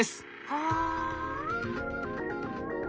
はあ。